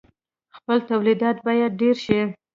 خپل تولیدات باید ډیر شي.